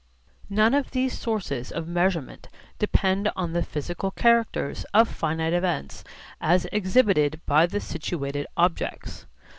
None of these sources of measurement depend on the physical characters of finite events as exhibited by the situated objects.